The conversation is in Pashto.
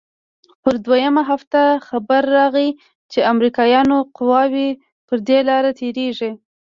پر دويمه هفته خبر راغى چې امريکايانو قواوې پر دې لاره تېريږي.